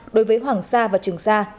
đối với hoàng sa và trường sa